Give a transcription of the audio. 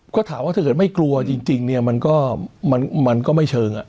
ก็ถามว่าถ้าเกิดไม่กลัวจริงเนี่ยมันก็ไม่เชิง